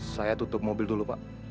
saya tutup mobil dulu pak